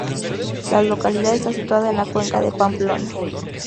La localidad está situada en la Cuenca de Pamplona.